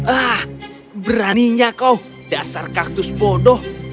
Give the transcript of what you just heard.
ah beraninya kau dasar kaktus bodoh